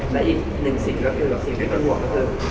และอีกหนึ่งสิ่งก็คือสิ่งที่เป็นห่วงก็คือ